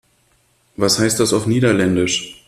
Was heißt das auf Niederländisch?